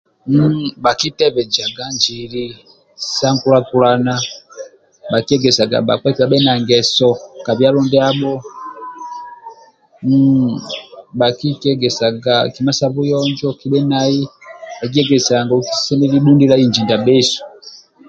Bhakitebhejaga njili sa nkulakulana bhakiegesaga bhakpa eti bhabhe na ngeso ka byalo ndiabho bhakikiegesaga kima sa buyonjo kibhe nai bhakikiesaga nangoku kisemelelu bhundilia inji ndiabhesu